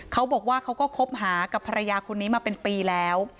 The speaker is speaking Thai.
เขาบอกว่าเขาก็คบหากับภรรยาคนนี้มาเป็นปีแล้ว